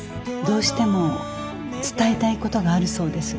どうしても伝えたいことがあるそうです。